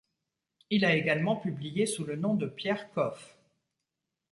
Il a également publié sous le nom de Pierre Koff.